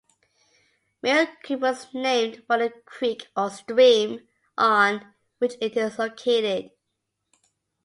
Mill Creek was named for the creek or stream on which it is located.